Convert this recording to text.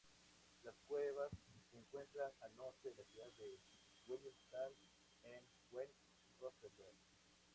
Las cuevas se encuentran al norte de la ciudad de Willemstad, en Weg Roosevelt.